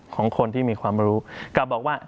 ของคนที่มีความรู้กลับบอกว่า